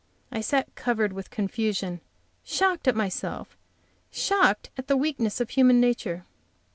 I sat covered with confusion, shocked at myself, shocked at the weakness of human nature.